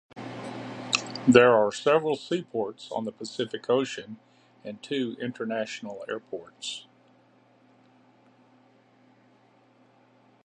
There are several seaports on the Pacific Ocean, and two international airports.